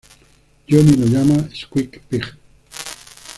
Johnny lo llama "Squeak-Pig".